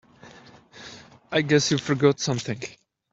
I guess you forgot something.